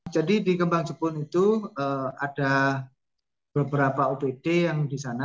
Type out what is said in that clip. jadi di kembang jepun itu ada beberapa odd yang disana